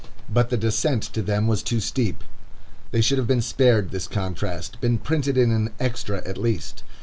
But the descent to them was too steep. They should have been spared this contrast, been printed in an extra at least.